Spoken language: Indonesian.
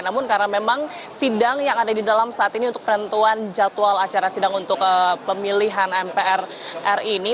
namun karena memang sidang yang ada di dalam saat ini untuk penentuan jadwal acara sidang untuk pemilihan mpr ri ini